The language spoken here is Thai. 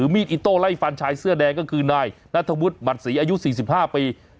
มีดอิโต้ไล่ฟันชายเสื้อแดงก็คือนายนัทวุฒิหมัดศรีอายุ๔๕ปี